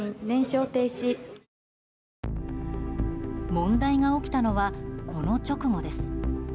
問題が起きたのはこの直後です。